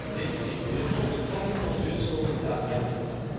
およそ１カ月の重傷を負った宮台さん。